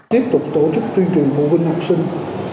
tiếp tục tổ chức truyền truyền phụ huynh học sinh